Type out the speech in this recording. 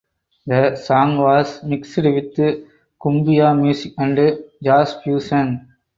The song was mixed with Cumbia music and Jazz fusion.